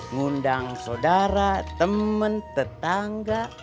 ngundang saudara temen tetangga